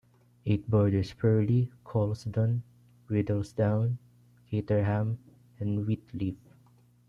It borders Purley, Coulsdon, Riddlesdown, Caterham and Whyteleafe.